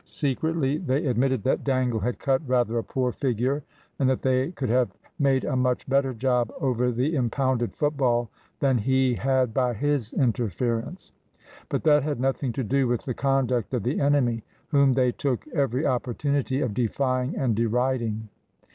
Secretly they admitted that Dangle had cut rather a poor figure, and that they could have made a much better job over the impounded football than he had by his interference. But that had nothing to do with the conduct of the enemy, whom they took every opportunity of defying and deriding.